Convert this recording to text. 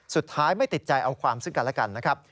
สุดท้ายไม่ติดใจเอาความซึ่งกันแล้วกัน